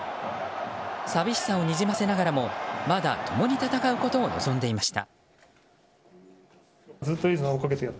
寂しさをにじませながらもまだ共に戦うことを望んでいました。